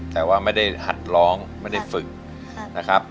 แต่ว่าไม่ได้หัดร้องไม่ได้ฝึกนะครับ